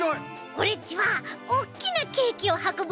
オレっちはおっきなケーキをはこぶ